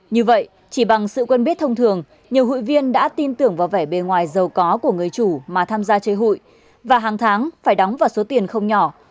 như vậy chỉ bằng sự quen biết thông thường nhiều hụi viên đã tin tưởng vào vẻ bề ngoài giàu có của người chủ mà tham gia chơi hụi và hàng tháng phải đóng vào số tiền không nhỏ